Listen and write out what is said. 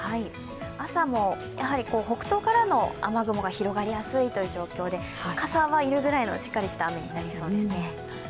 朝も北東からの雨雲が広がりやすいという状況で、傘は要るぐらいのしっかりした雨になりそうですね。